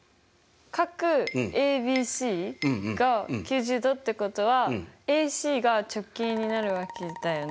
角ＡＢＣが９０°ってことはＡＣが直径になるわけだよね。